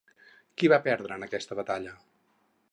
Qui va perdre en aquesta batalla?